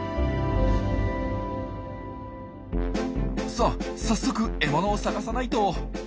さあ早速獲物を探さないと。